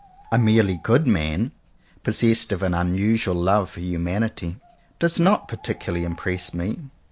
A merely good man, possessed of an unusual love for humanity, does not particularly impress me.